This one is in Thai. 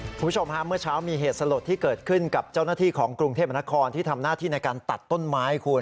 คุณผู้ชมฮะเมื่อเช้ามีเหตุสลดที่เกิดขึ้นกับเจ้าหน้าที่ของกรุงเทพมนครที่ทำหน้าที่ในการตัดต้นไม้คุณ